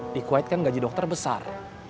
di kuwait kan gaji dokter besar